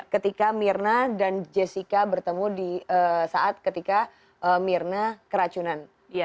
ketika mirna dan jessica bertemu di saat ketika mirna keracunan